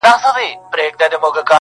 ځناور يې له لكيو بېرېدله!!